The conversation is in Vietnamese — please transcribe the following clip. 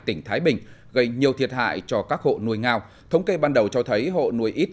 tỉnh thái bình gây nhiều thiệt hại cho các hộ nuôi ngao thống kê ban đầu cho thấy hộ nuôi ít